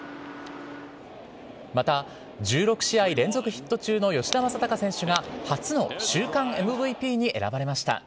また、１６試合連続ヒット中の吉田正尚選手が、初の週間ＭＶＰに選ばれました。